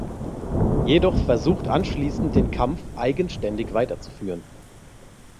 Jedoch versucht anschließend den Kampf eigenständig weiter zu führen.